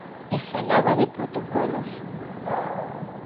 E falaba de protocolos.